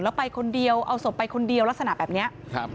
แล้วไปคนเดียวเอาศพไปคนเดียวลักษณะแบบเนี้ยครับ